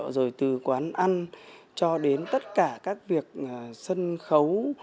rồi từ quán ăn cho đến tất cả các việc sân khấu